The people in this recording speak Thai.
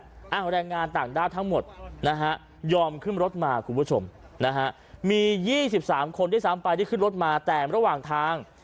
ยอมของแรงงานต่างด้านทั้งหมดยอมขึ้นรถมามี๒๓คนที่สังปลายที่ขึ้นรถมาแต่งระหว่างทาง